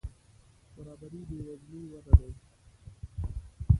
برابري بې وزلي وده دي.